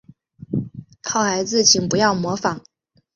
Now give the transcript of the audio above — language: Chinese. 好孩子请不要模仿